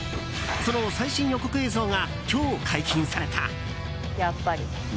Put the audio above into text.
その最新予告映像が今日解禁された。